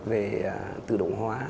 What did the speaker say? về tự động hóa